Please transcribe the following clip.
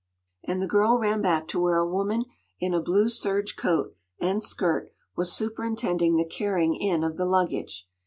” And the girl ran back to where a woman in a blue serge coat and skirt was superintending the carrying in of the luggage.